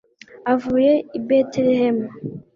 avuye i betelehemu